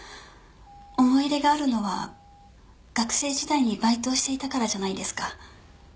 思い入れがあるのは学生時代にバイトをしていたからじゃないですか？